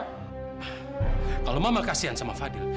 kalau mama kasihan sama fadil